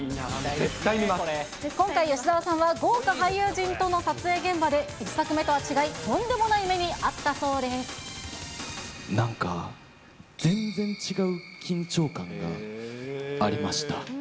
今回、吉沢さんは豪華俳優陣との撮影現場で、１作目とは違い、とんでもなんか、全然違う緊張感がありました。